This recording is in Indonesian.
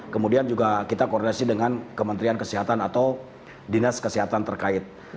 kemudian juga kita koordinasi dengan kementerian kesehatan atau dinas kesehatan terkait